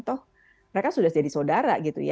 toh mereka sudah jadi saudara gitu ya